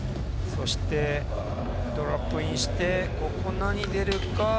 そして、ドロップインして、何がでるか？